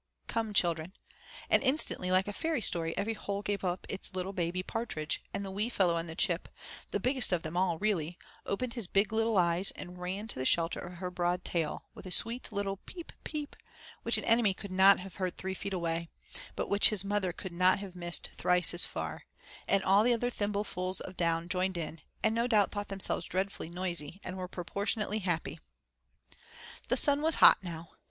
(Come, children) and instantly like a fairy story, every hole gave up its little baby partridge, and the wee fellow on the chip, the biggest of them all really, opened his big little eyes and ran to the shelter of her broad tail, with a sweet little 'peep peep' which an enemy could not have heard three feet away, but which his mother could not have missed thrice as far, and all the other thimblefuls of down joined in, and no doubt thought themselves dreadfully noisy, and were proportionately happy. The sun was hot now.